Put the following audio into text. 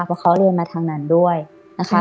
เพราะเขาเรียนมาทางนั้นด้วยนะคะ